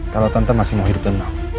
kalau tante masih mau hidup tenang